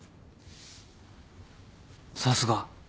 さすが。